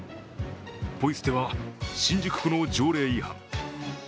ポイ捨ては新宿区の条例違反。